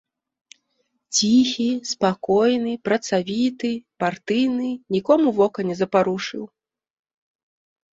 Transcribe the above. Ціхі, спакойны, працавіты, партыйны, нікому вока не запарушыў.